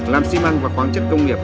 làm xi măng và khoáng chất công nghiệp